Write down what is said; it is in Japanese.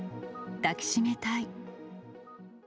抱き締めたい。